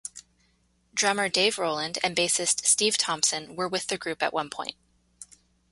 Drummer Dave Rowland and bassist Steve Thompson were with the group at one point.